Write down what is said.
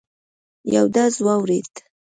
یو ډز واورېد.